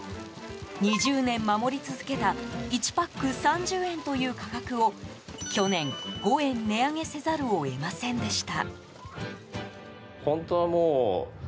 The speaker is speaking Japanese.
２０年守り続けた１パック３０円という価格を去年、５円値上げせざるを得ませんでした。